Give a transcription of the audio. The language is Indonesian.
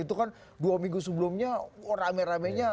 itu kan dua minggu sebelumnya rame ramenya